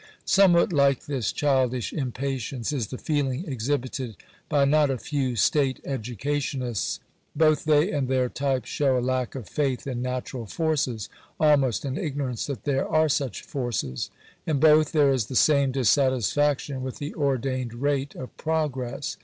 Somewhat like this childish impatience is the feeling exhibited by not a few state educationists. Both they and their type show a lack of faith in natural forces — almost an ignorance that there are such forces. In both there is the same dissatisfaction with the ordained rate of progress.